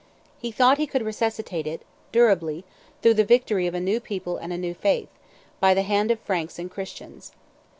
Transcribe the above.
He thought he could resuscitate it, durably, through the victory of a new people and a new faith, by the hand of Franks and Christians.